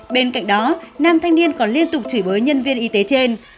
bên cạnh đó nam thanh niên còn liên tục chửi bới nhân viên y tế trên